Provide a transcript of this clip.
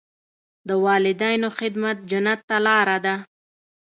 د والدینو خدمت جنت ته لاره ده.